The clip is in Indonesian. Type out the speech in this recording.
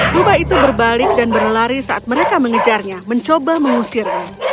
lubah itu berbalik dan berlari saat mereka mengejarnya mencoba mengusirnya